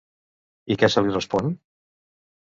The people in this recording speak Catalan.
I què se li respon?